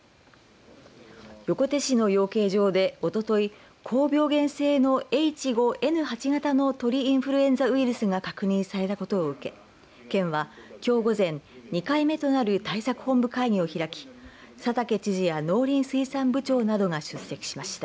横手市の養鶏場でおととい高病原性のＨ５Ｎ８型の鳥インフルエンザウイルスが確認されたことを受け県はきょう午前２回目となる対策本部会議を開き佐竹知事や農林水産部長などが出席しました。